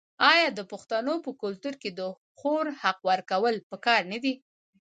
آیا د پښتنو په کلتور کې د خور حق ورکول پکار نه دي؟